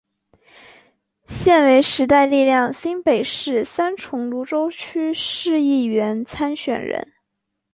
现为时代力量新北市三重芦洲区市议员参选人。